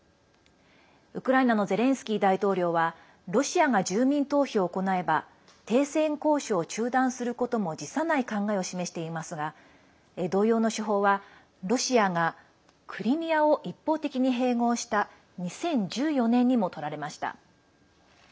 ウクライナのゼレンスキー大統領はロシアが住民投票を行えば停戦交渉を中断することも辞さない考えを示していますが同様の手法はロシアがクリミアを一方的に併合した２０１４年にも、とられました。